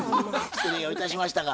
失礼をいたしましたが。